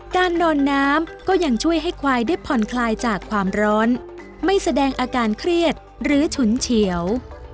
นอนน้ำก็ยังช่วยให้ควายได้ผ่อนคลายจากความร้อนไม่แสดงอาการเครียดหรือฉุนเฉียว